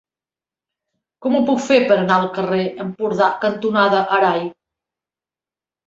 Com ho puc fer per anar al carrer Empordà cantonada Arai?